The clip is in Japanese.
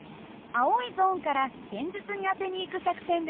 青いゾーンから堅実に当てにいく作戦です。